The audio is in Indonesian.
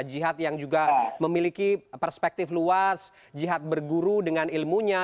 jihad yang juga memiliki perspektif luas jihad berguru dengan ilmunya